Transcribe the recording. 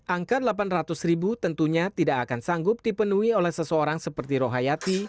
angka delapan ratus ribu tentunya tidak akan sanggup dipenuhi oleh seseorang seperti rohayati